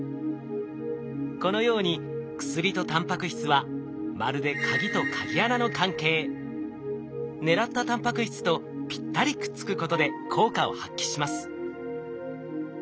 このように薬とタンパク質はまるで狙ったタンパク質とぴったりくっつくことで効果を発揮します。